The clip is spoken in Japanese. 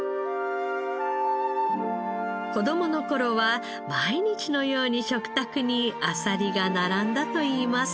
子供の頃は毎日のように食卓にあさりが並んだといいます。